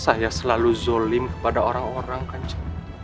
saya selalu zolim kepada orang orang kan